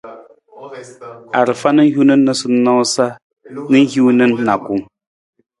Arafa na hin noosanoosa na hiwung na nijakung.